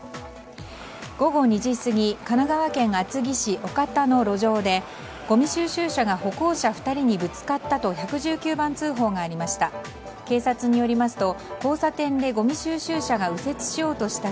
午後２時過ぎ神奈川県厚木市岡田の路上でごみ収集車が歩行者２人にぶつかったと１１９番通報がありました。